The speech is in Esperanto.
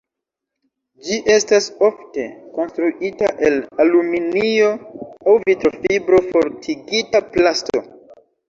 Ĝi estas ofte konstruita el aluminio aŭ vitrofibro-fortigita plasto.